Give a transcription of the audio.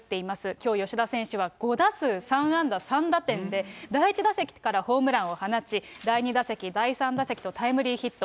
きょう吉田選手は５打数３安打３打点で、第１打席からホームランを放ち、第２打席、第３打席とタイムリーヒット。